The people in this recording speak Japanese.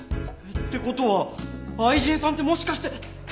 って事は愛人さんってもしかして。